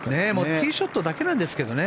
ティーショットだけなんですけどね。